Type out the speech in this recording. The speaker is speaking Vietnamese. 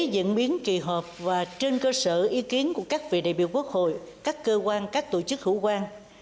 diễn biến kỳ họp và trên cơ sở ý kiến của các vị đại biểu quốc hội các cơ quan các tổ chức hữu quan